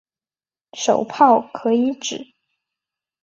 手炮可以指